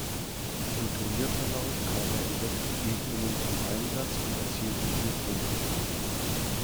Im Turnierverlauf kam er in sechs Begegnungen zum Einsatz und erzielte vier Punkte.